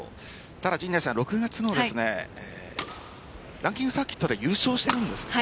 ただ、６月のランキングサーキットで優勝しているんですよね。